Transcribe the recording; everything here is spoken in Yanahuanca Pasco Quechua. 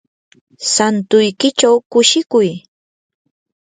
santuykichaw kushikuy.